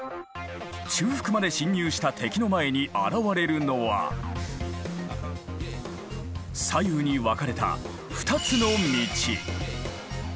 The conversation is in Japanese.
中腹まで侵入した敵の前に現れるのは左右に分かれた２つの道。